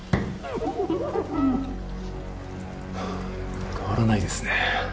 あ変わらないですね